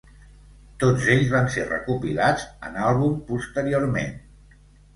Tots ells van ser recopilats en àlbum posteriorment.